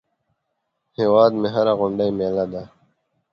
هیواد مې هره غونډۍ مېله ده